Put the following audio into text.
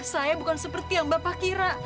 saya bukan seperti yang bapak kira